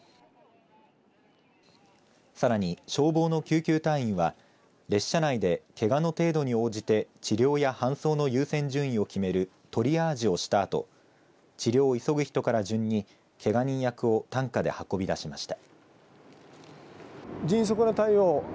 さらに消防の救急隊員は列車内でけがの程度に応じて治療や搬送の優先順位を決めるトリアージをしたあと治療を急ぐ人から順にけが人役を担架で運び出しました。